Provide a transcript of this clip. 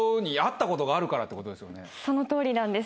その通りなんです。